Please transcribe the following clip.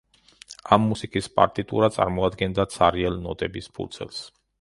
ამ მუსიკის პარტიტურა წარმოადგენდა ცარიელ ნოტების ფურცელს.